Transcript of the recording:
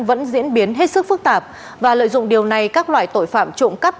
vẫn diễn biến hết sức phức tạp và lợi dụng điều này các loại tội phạm trộm cắp